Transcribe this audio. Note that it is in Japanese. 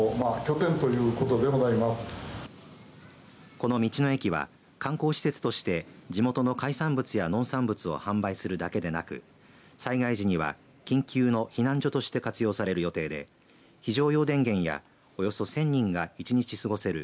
この道の駅は観光施設として地元の海産物や農産物を販売するだけでなく災害時には緊急の避難所として活用される予定で非常用電源やおよそ１０００人が１日過ごせる